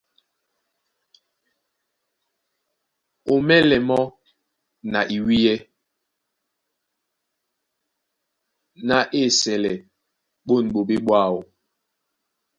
Á ómɛ́lɛ́ mɔ́ na iwíyɛ́ ná á esɛlɛ ɓôn ɓoɓé ɓwáō.